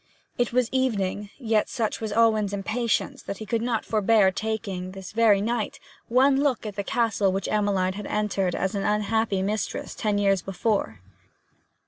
It was evening; yet such was Alwyn's impatience that he could not forbear taking, this very night, one look at the castle which Emmeline had entered as unhappy mistress ten years before.